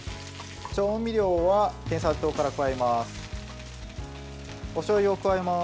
調味料はてんさい糖から加えます。